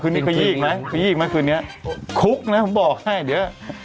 กลับมาคืนนี้ถูกบอกให้เดี๊ยว